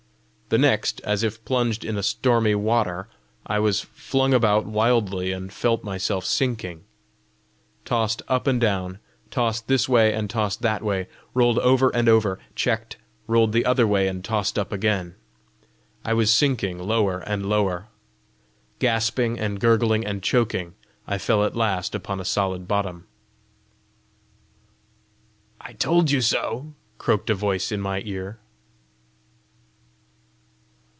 The next, as if plunged in a stormy water, I was flung about wildly, and felt myself sinking. Tossed up and down, tossed this way and tossed that way, rolled over and over, checked, rolled the other way and tossed up again, I was sinking lower and lower. Gasping and gurgling and choking, I fell at last upon a solid bottom. "I told you so!" croaked a voice in my ear.